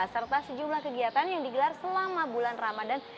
serta sejumlah kegiatan yang digelar selama bulan ramadan